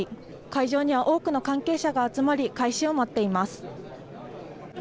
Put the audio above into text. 会場には多くの関係者が集まり開始を待っています。